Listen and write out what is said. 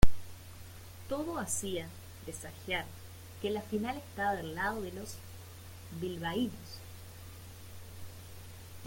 Todo hacía presagiar que la final estaba del lado de los bilbaínos.